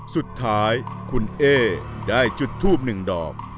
สุดท้ายคุณเอ๊ได้จุดทูบหนึ่งดอก